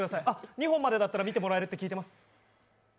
２本までだったら見てもらえるって聞いてます。